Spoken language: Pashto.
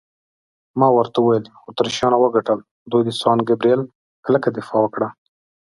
ما ورته وویل: اتریشیانو وګټل، دوی د سان ګبرېل کلکه دفاع وکړه.